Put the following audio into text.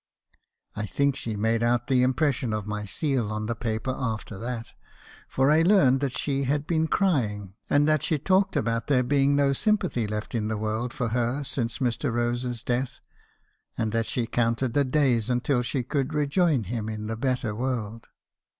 I think she made out the impression of my seal on the paper after that; for I learned that she had been crying, and that she talked about there being no sympathy left in the world for her since Mr. Rose's death; and that she counted the days until she could rejoin him in the better world.